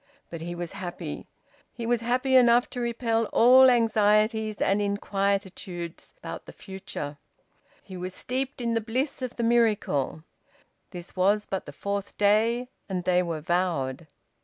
But he was happy. He was happy enough to repel all anxieties and inquietudes about the future. He was steeped in the bliss of the miracle. This was but the fourth day, and they were vowed.